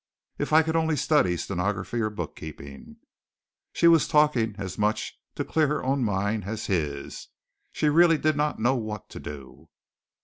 If I could only study stenography or book keeping!" She was talking as much to clear her own mind as his. She really did not know what to do.